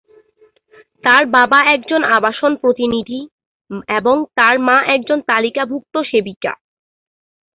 তার বাবা একজন আবাসন প্রতিনিধি, এবং তার মা একজন তালিকাভুক্ত সেবিকা।